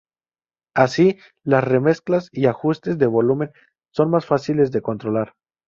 Así, las remezclas y ajustes de volumen son más fáciles de controlar.